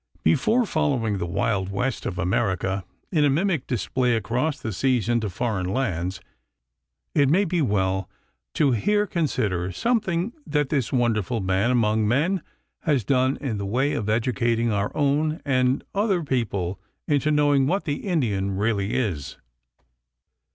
Before following the Wild West of America in a mimic display across the seas into foreign lands, it may be well to here consider something that this wonderful man among men has done in the way of educating our own and other people into knowing what the Indian really is.